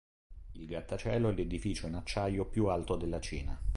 Il grattacielo è l'edificio in acciaio più alto della Cina.